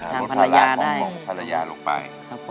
ทางลูกป้ายอโฮหาลูกป้าย